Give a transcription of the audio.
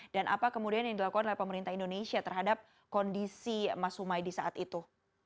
dan apa kemudian yang dilakukan oleh pemerintah indonesia terhadap kondisi mas humaydi saat itu